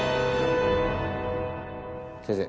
先生